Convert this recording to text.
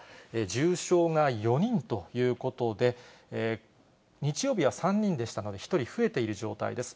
重症が４人ということで、日曜日は３人でしたので、１人増えている状態です。